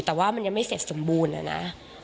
แต่ว่ามันยังไม่เสร็จสมบูรณ์นะ